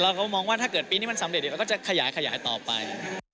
เขาก็มองว่าถ้าเกิดปีนี้มันสำเร็จเราก็จะขยายต่อไป